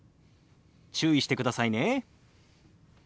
注意してくださいね。